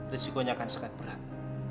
risikonya akan sangat berat